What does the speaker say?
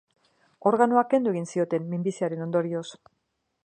Organoa kendu egin zioten, minbiziaren ondorioz.